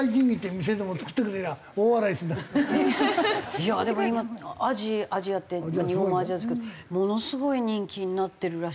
いやでも今アジアって日本もアジアですけどものすごい人気になってるらしいですよ。